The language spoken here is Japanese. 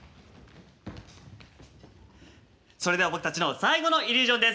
それでは僕たちの最後のイリュージョンです。